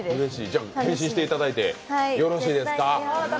じゃあ、変身していただいてよろしいですか？